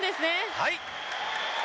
はい。